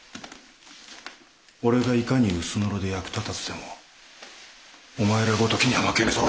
俺がいかに薄のろで役立たずでもお前らごときには負けんぞ。